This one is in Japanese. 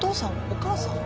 お母さん？